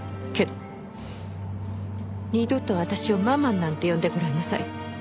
けど二度と私を「ママン」なんて呼んでごらんなさい。